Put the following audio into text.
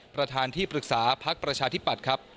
ประธานที่ปรึกษาพักประชาธิปัตย์ครับ